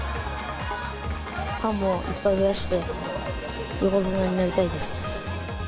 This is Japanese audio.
ファンをいっぱい増やして、横綱になりたいです。